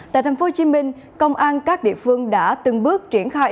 tại thành phố hồ chí minh công an các địa phương đã từng bước triển khai